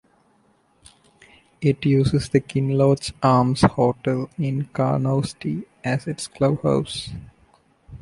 It uses the Kinloch Arms Hotel in Carnoustie as its clubhouse.